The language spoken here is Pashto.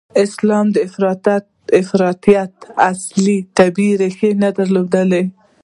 اسلامي افراطیت اصلاً طبیعي ریښه نه درلوده.